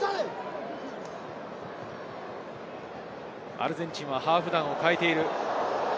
アルゼンチンはハーフ団を代えている。